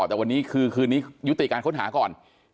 แต่วันนี้คือคืนนี้ยุติการค้นหาก่อน